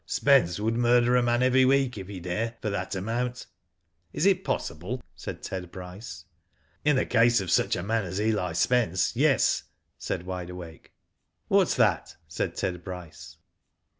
" Spence would murder a man every week, if he dare, for that amount." "Is it possible?" said Ted Bryce. " In the case of such a man as Eli Spence, yes," said Wide Awake. ''What's that?" said Ted Bryce.